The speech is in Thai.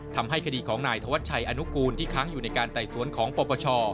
ทำให้คดีของนายธวัชชัยอนุกูลที่ค้างอยู่ในการไต่สวนของปปช